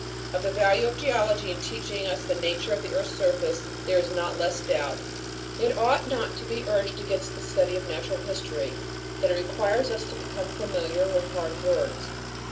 Of the value of geology in teaching us the nature of the earth's surface, there is not less doubt. It ought not to be urged against the study of natural history, that it requires us to become familiar with hard words.